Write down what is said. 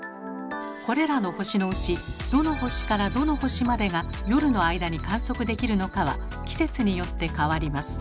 これらの星のうちどの星からどの星までが夜の間に観測できるのかは季節によって変わります。